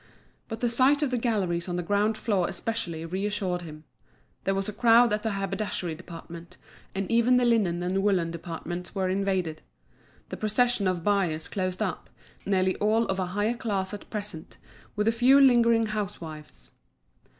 But the sight of the galleries on the ground floor especially reassured him. There was a crowd at the haberdashery department, and even the linen and woollen departments were invaded. The procession of buyers closed up, nearly all of a higher class at present, with a few lingering housewives.